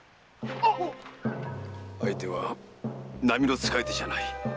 相手は並の使い手じゃない。